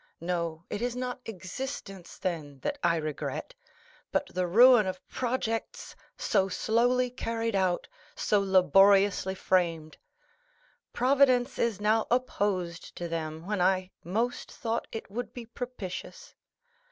No, it is not existence, then, that I regret, but the ruin of projects so slowly carried out, so laboriously framed. Providence is now opposed to them, when I most thought it would be propitious.